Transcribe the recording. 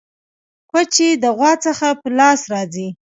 کوچي د غوا څخه په لاس راځي.